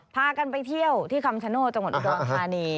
พากันไปเที่ยวที่คำชโนธจังหวัดอุดรธานี